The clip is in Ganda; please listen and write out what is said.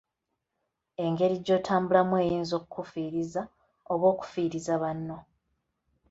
Engeri gy'otambulamu eyinza okukufiiriza oba okufiiriza banno.